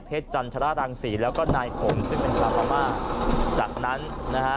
เพชรจันทรารังสีแล้วก็นายขมซึ่งเป็นสามารถจากนั้นนะฮะ